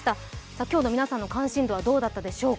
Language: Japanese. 今日の皆さんの関心度はどうだったでしょうか。